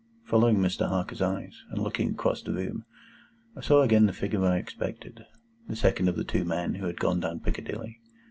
Following Mr. Harker's eyes, and looking along the room, I saw again the figure I expected,—the second of the two men who had gone down Piccadilly.